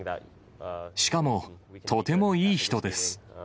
しかもとてもいい人です。